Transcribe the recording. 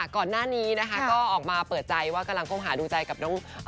ก็ออกมาเปิดใจว่ากำลังก้งหาดูใจจากน้อง